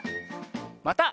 また。